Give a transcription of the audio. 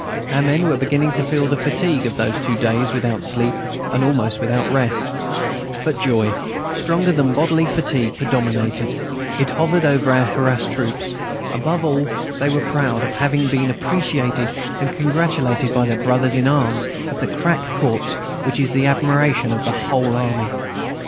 Our men were beginning to feel the fatigue of those two days without sleep and almost without rest. But joy, stronger than bodily fatigue, predominated. It hovered over our harassed troops. Above all, they were proud of having been appreciated and congratulated by their brothers in arms of the crack corps which is the admiration of the whole army.